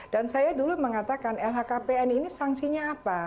dan saya dulu mengatakan lhkpn ini sanksinya apa